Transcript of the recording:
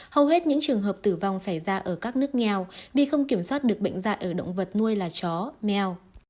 hầu hết những trường hợp tử vong xảy ra ở các nước nghèo vì không kiểm soát được bệnh dạy ở động vật nuôi là chó mèo